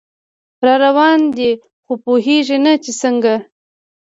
راروان دی خو پوهیږي نه چې څنګه